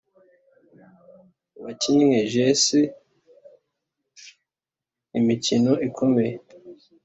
wakinnye jesse imikino ikomeye.